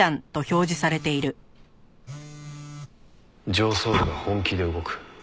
上層部が本気で動く。